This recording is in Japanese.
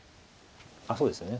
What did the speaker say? そうですね